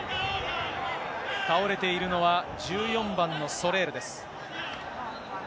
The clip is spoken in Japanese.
倒れているのは、１４番のソレールです。